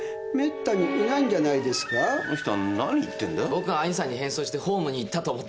僕が兄さんに変装してホームに行ったと思ってるんですよ。